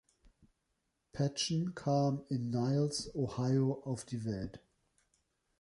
Patchen kam in Niles, Ohio, auf die Welt.